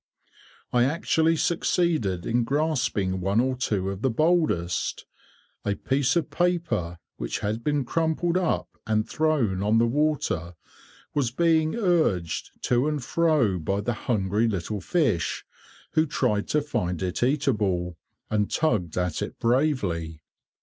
I actually succeeded in grasping one or two of the boldest. A piece of paper, which had been crumpled up and thrown on the water, was being urged to and fro by the hungry little fish, who tried to find it eatable, and tugged at it bravely.